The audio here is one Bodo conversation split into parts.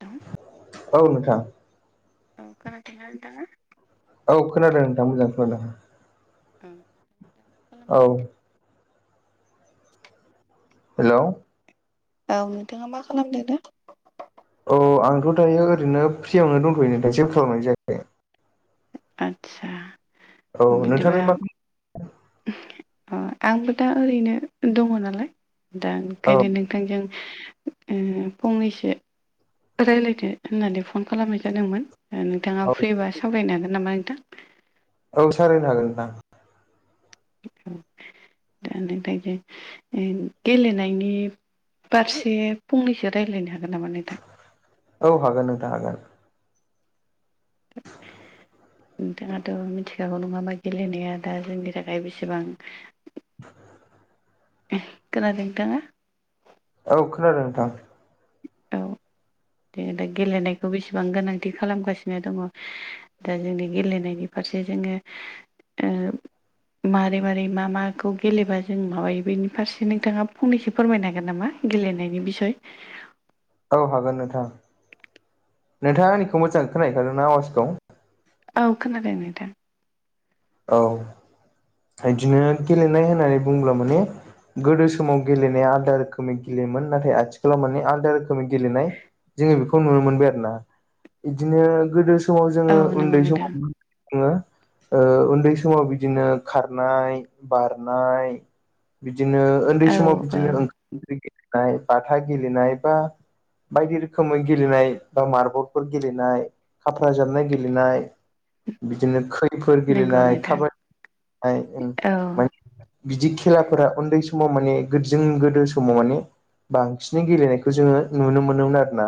औ औ नोंथां औ खोनाादोंंना नोंथाङा औ खोनादों नोंथां मोजां खोनादों ओं औ हेलौ औ नोंथाङा मा खालामदों दा अ आंथ दायो ओरैनो फ्रियावनो दंथयोनो नोंथां दा जेबो खालामनाय जायाखै आदसा औ बिदिबा नोंथाङालाय मा अ आंबो दा ओरैनो दङ नालाय दा औ बेंखायनो नोंथांजों उम फंनैसो रायज्लायदो होननानै फन खालामनाय जादोंमोन नोंथाङा औ फ्रिबा सावरायनो हागोन नामा नोंथां औ सालायनो हागोन नोंथां [unintelligible] दा नोंथांजों गेलेनायनि फारसे फंनैसो रायज्लायनो हागोन नामा नोंथां औ हागोन नोंथां हागोन नोंथाङाथ मिथिखागौ नङाहोनबा गेलेनाया दा जोंनि थाखाय बेसेबां [inaudible] खोनादों नोंथाङा औ खोनादों नोंथां जों दा गेलेनायखौ बेसेबां गोनांथि खालामगासिनो दङ दा जोंनि गेलेनायनि फारसे जोङो ओ मारै मारै मा माखौ गेलेबा जों माबायो बेनि फारसे नोंथाङा फंनैसो फोरमायनो हागोन नामा गेलेनायनि बिसय औ हागोन नोंथां नोंथाङा आंनिखौ मोजांङै खोनाहैखादोंना आवाजखौ औ खोनादों नोंथां औ इदिनो गेलेनाय होननानै बुङोब्ला माने गोदो समाव गेलेनाया आलादा रोखोमनि गेलेयोमोन नाथाय आथिखालाव माने आलादा रोखोमनि गेलेनाय जोङो बेखौ नुनो मोनबाय आरोना इदिनो गोदो समाव औ जोङो नंगौ उन्दै नोंथां समावो जोङो उन्दै समाव बिदिनो खारनाय बारनाय बिदिनो उन्दै औ समाव औ बिदिनो ओं [unintelligible] गेलेनाय बाथा गेलेनाय बा बायदि रोखोमै गेलेनाय बा मारबलफोर गेलेनाय खाफ्रा जाबनाय गेलेनाय बिदिनो खैफोर नंगौ गेलेनाय नोंथां खा ओं औ माने बिदि खेलाफोरा उन्दै समाव माने गोजों गोदो समाव माने बांसिनै गेलेनायखौ जोङो नुनो मोनोमोन आरोना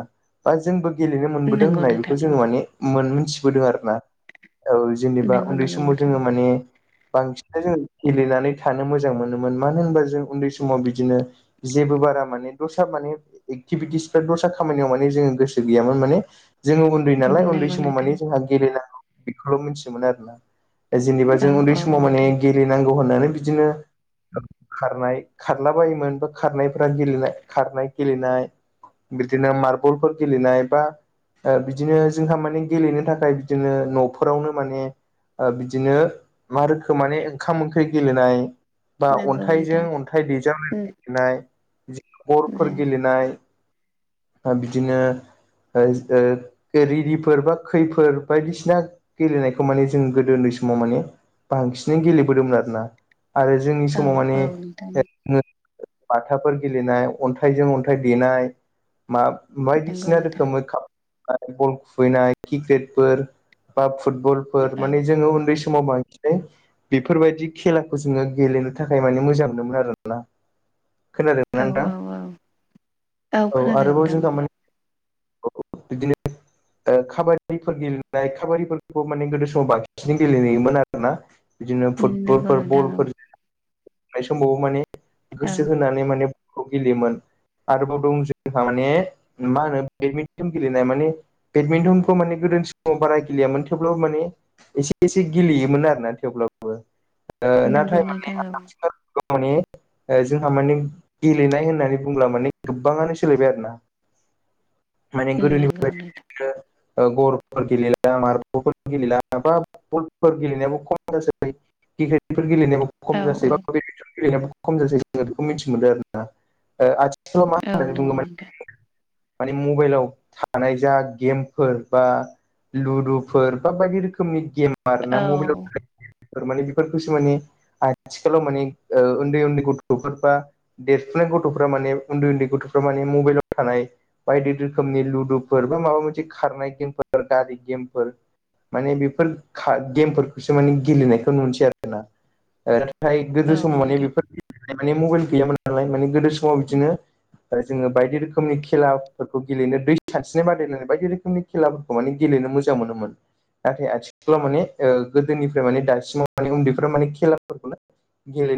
बा जोंबो गेलेनो मोनबोदों नंगौ होननाय नोंथां बेखौ औ जोङो माने मोन मोनथिबोदों आरोना औ जेनेबा नंगौ उन्दै नंगौ समाव नोंथां जोङो माने बांसिनै जोङो गेलेनानै थानो मोजां मोनोमोन मानो होनबा जों उन्दै समाव बिदिनो जेबो बारा माने दस्रा माने एक्टिभिटिसफोरा दस्रा खामानियाव माने जोङो गोसो गैयामोन माने जोङो उन्दै नालाय उन्दै नंगौ समाव नोंथां मानि जोंहा गेलेनांगौ बेखौल' मिथियोमोन आरोना। जेनेबा औ जों उन्दै औ समाव माने नोंथां गेरेनांगौ होननानै बिदिनो ओ खारनाय खारला बायोमोन बा खारनायफ्रा गेलेनाय खारनाय गेलेनाय बिदिनो मार्बलफोर गेलेनाय बा ओ बिदिनो जोंहा माने गेलेनो थाखाय बिदिनो न'फोरावनो माने ओ बिदिनो मा रोखोम माने ओंखाम ओंख्रि गेलेनाय बा नंगौ अन्थाइजों नोंथां अन्थाइ दैजाब लानायनाय गेलेनाय गरफोर गेलेनाय ओ बिदिनो ओ ओ रिदिफोर बा खैफोर बायदिसिना गेलेनायखौ माने जों गोदो ओन्दै समाव माने बांसिनै गेलेबोदोंमोन आरोना आरो जोंनि औ समाव माने औ नोंथां [unintelligible] बाथाफोर गेलेनाय अन्थाइजों अन्थाइ देनाय मा नंगौ बायदिसिना नोंथां रोखोमै खा [unintelligible] खुबैनाय क्रिकेटफोर बा फुटबलफोर औ माने जोङो उन्दै स मावबाय [unintelligible] माने बेफोरबायदि खेलाखौ जोङो गेलेनो थाखाय माने मोजां मोनोमोन आरोना। खोनादोंना नोंथां औ औ औ औ खोनादों आरोबाव नोंथां जोंहा मा [unintelligible] औ बिदिनो ओ खाबादिफोर गेलेनाय खाबादिफोरखौ माने गोदो समाव बांसिन गेलेहैयोमोन आरोना। बिदिनो नंगौ फुटबलफोर नोंथां औ बलफोरनाय [unintelligible] समावबो माने औ गोसो होनानै माने खौ गेलेयोमोन आरोबाव दं जोंहा माने मा होनो बेदमिन्टन गेलेनाय माने बेडमिन्टनखौ माने गोदो समाव बारा गेलेयामोन थेवब्लाबो माने एसे एसे गेलेयो मोन आरोना थेवब्लाबो ओ नंगौ नाथाय माने नोंथां औ [unintelligible] अ माने ओ जोंहा माने गेलेनाय होननानै बुंब्ला माने गोबाङानो सोलायबाय आरोना। [inaudible] माने गोदोनि नंगौ नोंथां अनगायैबो [unintelligible] बिदिनो ओ गरफोर गेलेलां मारब'फोर गेलेला बा बलफोर गेलेनाय खम जासै क्रिकेट गेलेनायाबो खम औ जासै [unintelligible] औ खम जासै जोङो बेखौ मिथि मोनदो आरोना ओ आथिखालाव मा औ होननानै बुङो नंगौ माने नोंथां [unintelligible] माने मबाइलाव थानाय जा गेमफोर बा लुदुफोर बा बायदि रोखोमनि गेम आरोना औ ना मबेलाव थानाय गेम फोर माने बेफोरखौसो माने आथिखालाव माने ओ उन्दै उन्दै गथ'फोर बा देरफुनाय गथ'फ्रा माने उन्दै उन्दै गथ'फ्रा माने मबेलाव थानाय बायदि रोखोमनि लुदुफोर बा माबा मोनसे खारनाय गेमफोर गारि गेमफोर माने बिफोर खा गेमफोरखौसो माने गेलेनायखौ नुनोसै आरो ओ नाथाय गोदो औ समाव माने नोंथां बेफोरबायदि माने मबेइल गैयामोन नालाय माने गोदो समाव बिदिनो ओ जोङो बायदि रोखोमनि खेलाफोरखौ गेलेनो दै सानस्रिनाय बादायलायनाय बायदि रोखोमनि खेलाफोरखौ माने गेलेनो मोजां मोनोमोन नाथाय आथि खालाव माने ओ गोदोनिफ्राय माने दासिमाव माने उन्दैफ्रा माने खेलाफोरखौनो गेलेयो।